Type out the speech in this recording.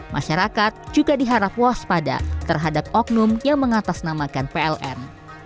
masyarakat juga diharap waspada terhadap oknum yang mengatasnamakan pln